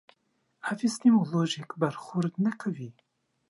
اپیستیمولوژیک برخورد نه کوي.